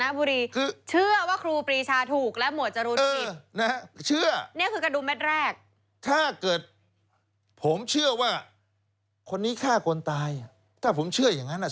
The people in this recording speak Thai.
น้ำบุรีชื่อว่าครูปีชาถูกและหมวดจะลง